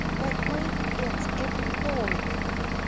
Let break its every hold!